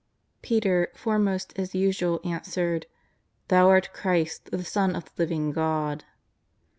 Peter, foremost as usual, answered: "Thou art Christ, the Son of the Living God."